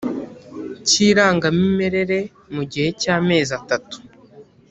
cy irangamimerere mu gihe cy amezi atatu